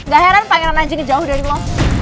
gak heran pengen lanjutin jauh dari lo